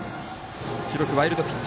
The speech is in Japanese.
記録、ワイルドピッチ。